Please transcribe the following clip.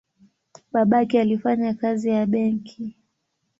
Babake alifanya kazi ya benki.